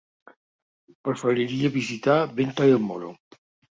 Preferiria visitar Venta del Moro.